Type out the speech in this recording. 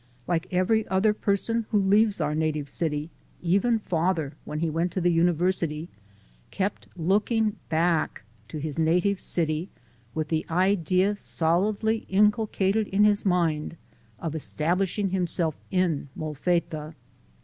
Like every other person who leaves our native city, even father, when he went to the university, kept looking back to his native city with the idea solidly inculcated in his mind, of establishing himself in Molfetta.